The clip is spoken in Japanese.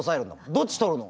どっち取るの？